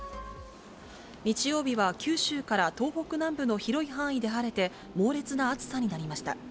日曜日は九州から東北南部の広い範囲で晴れて、猛烈な暑さになりました。